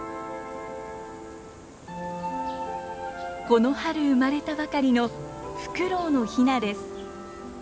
この春生まれたばかりのフクロウのヒナです。